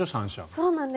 そうなんです。